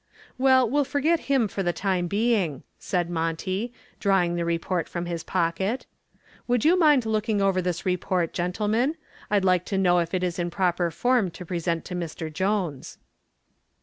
"Well, we'll forget him for the time being," said Monty, drawing the report from his pocket. "Would you mind looking over this report, gentlemen? I'd like to know if it is in proper form to present to Mr. Jones."